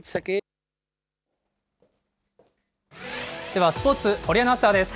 ではスポーツ、堀アナウンサーです。